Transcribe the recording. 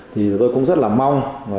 thì tôi cũng rất là mong